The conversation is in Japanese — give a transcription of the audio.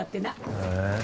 へえ。